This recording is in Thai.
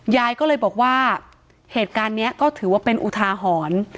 ยายก็เลยบอกว่าเหตุการณ์นี้ก็ถือว่าเป็นอุทาหรณ์